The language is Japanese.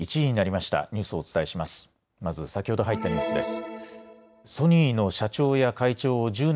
まず先ほど入ったニュースです。